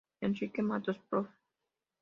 Enrique Matos Prof.